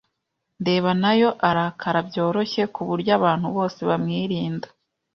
ndeba nayo arakara byoroshye kuburyo abantu bose bamwirinda.